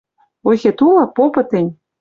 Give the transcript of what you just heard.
Ойхет улы? Попы тӹнь!..»